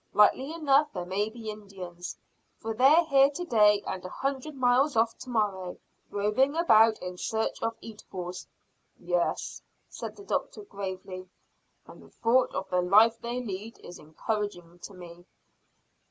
Likely enough there may be Indians. For they're here to day and a hundred miles off to morrow, roving about in search of eatables." "Yes," said the doctor gravely, "and the thought of the life they lead is encouraging to me."